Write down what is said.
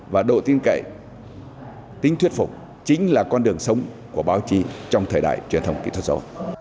và độ tin cậy tính thuyết phục chính là con đường sống của báo chí trong thời đại truyền thông kỹ thuật số